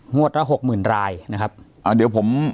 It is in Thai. ละหกหมื่นรายนะครับอ่าเดี๋ยวผม